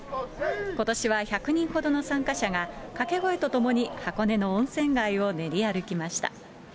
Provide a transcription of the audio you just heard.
ことしは１００人ほどの参加者が、かけ声とともに箱根の温泉街を練り歩きました。